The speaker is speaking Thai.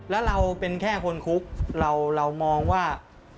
แล้วเราเป็นแค่คนคุกเรามองว่า